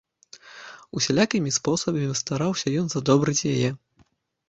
Усялякімі спосабамі стараўся ён задобрыць яе.